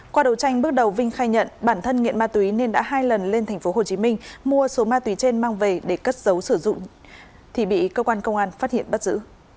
qua đầu tranh bước đầu vinh khai nhận bản thân nghiện ma túy nên đã hai lần lên tp hcm mua số ma túy trên mang về để cất dấu sử dụng thì bị cơ quan công an phát hiện bắt giữ